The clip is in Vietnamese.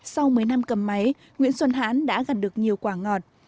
sau mấy năm cầm máy nguyễn xuân hãn đã gặt được nhiều quả ngọt